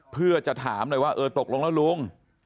เพื่อจะถามเลยว่าเออตกลงแล้วลุง